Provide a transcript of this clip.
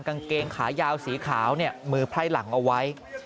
กางเกงขายาวสีขาวเนี่ยมือไพร่หลังเอาไว้